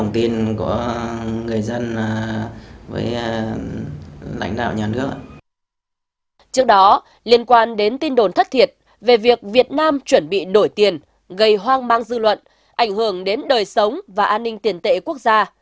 trước đó liên quan đến tin đồn thất thiệt về việc việt nam chuẩn bị đổi tiền gây hoang mang dư luận ảnh hưởng đến đời sống và an ninh tiền tệ quốc gia